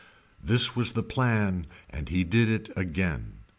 This was the plan and he did it again.